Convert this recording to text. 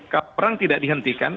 kalau perang tidak dihentikan